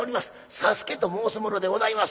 佐助と申す者でございます。